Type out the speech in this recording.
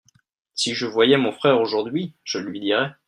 si je voyais mon frère aujourd'hui, je lui dirais.